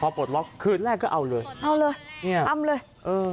พอปลดล็อกคืนแรกก็เอาเลยเอาเลยเนี่ยอำเลยเออ